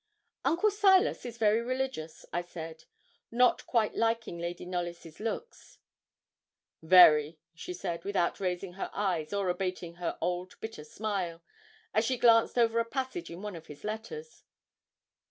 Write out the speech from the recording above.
'Uncle Silas is very religious?' I said, not quite liking Lady Knollys' looks. 'Very,' she said, without raising her eyes or abating her old bitter smile, as she glanced over a passage in one of his letters.